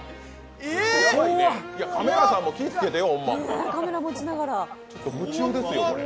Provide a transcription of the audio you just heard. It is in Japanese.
カメラさんも気をつけてよ。